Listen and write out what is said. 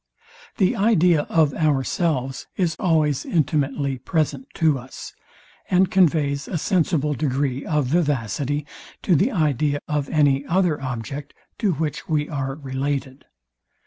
The idea of ourselves is always intimately present to us, and conveys a sensible degree of vivacity to the idea of any other object, to which we are related.